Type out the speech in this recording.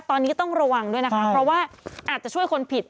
ตอนนี้ต้องระวังด้วยนะคะเพราะว่าอาจจะช่วยคนผิด